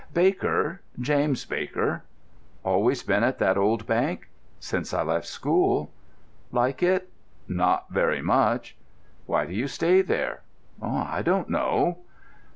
"Baker—James Baker." "Always been at that old bank?" "Since I left school." "Like it?" "Not very much." "Why do you stay there?" "I don't know."